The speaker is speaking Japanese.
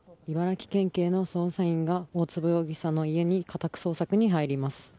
茨城県警の捜査員が大坪容疑者の家に家宅捜索に入ります。